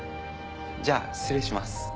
じゃあ失礼します。